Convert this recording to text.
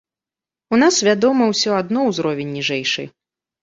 У нас, вядома, усё адно ўзровень ніжэйшы.